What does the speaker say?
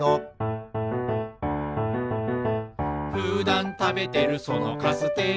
「ふだんたべてるそのカステラ」